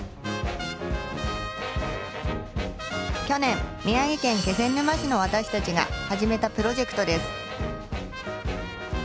去年宮城県気仙沼市の私たちが始めたプロジェクトです。